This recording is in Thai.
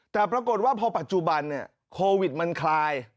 แต่ปรากฏว่าพอปัจจุบันโควิดมันคลาย